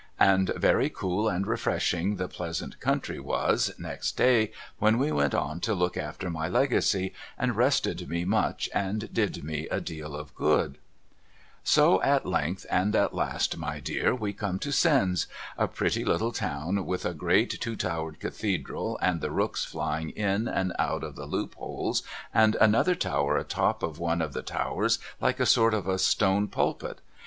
And very cool and refreshing the pleasant country was next day when we went on to look after my Legacy, and rested me much and did mc a deal of good. 2 B 370 MRS. LIRRirER'S LEGACY So at length and at last my dear \vc come to Sens, a pretty little town with a great two towered cathedral and the rooks flying in and out of the loopholes and anotlier tower atop of one of the towers like a sort of a stone pulpit.